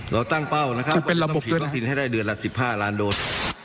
เราตั้งเป้านะครับเป็นระบบเขียนให้ได้เดือนละ๑๕ล้านโดส